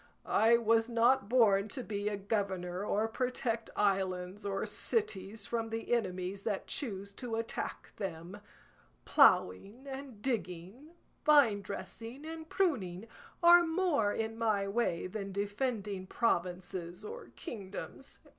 I was not born to be a governor or protect islands or cities from the enemies that choose to attack them. Ploughing and digging, vinedressing and pruning, are more in my way than defending provinces or kingdoms.